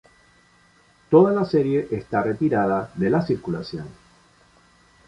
Toda la serie está retirada de la circulación.